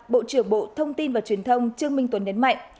bộ trưởng bộ thông tin và truyền thông trương minh tuấn nhấn mạnh